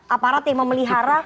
aparat yang memelihara